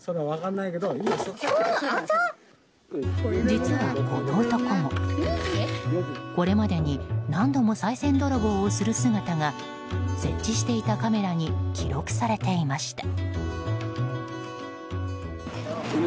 実は、この男もこれまでに何度もさい銭泥棒をする姿が設置していたカメラに記録されていました。